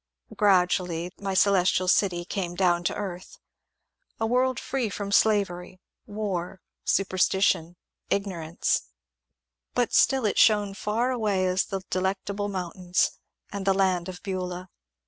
Grradually my Celestial City came down to earth, — a world free from Slavery, War, Superstition, Ignorance, — but still it shone 350 MONCURE DANIEL CONWAY tax away as the Delectable Mountains and the Land of Ben lah.